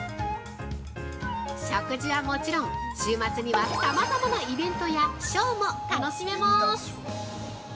食事はもちろん、週末には、さまざまなイベントやショーも楽しめます！